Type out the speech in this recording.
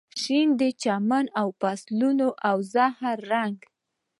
شین دی د چمن او فصلونو او زهرا رنګ